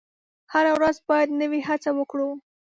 هره ورځ باید نوې هڅه وکړو.